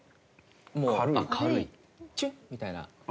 もうチュッみたいな。